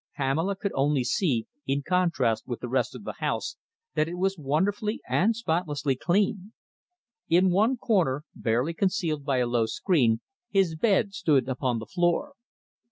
Pamela could only see, in contrast with the rest of the house, that it was wonderfully and spotlessly clean. In one corner, barely concealed by a low screen, his bed stood upon the floor.